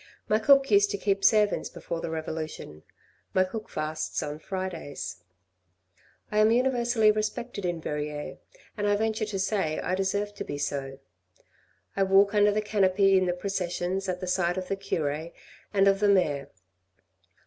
My cook used to keep servants before the revolution, my cook fasts on Fridays. I am universally respected in Verrieres, and I venture to say I deserve to be so. I walk under the canopy in the processions at the side of the cure and of the mayor.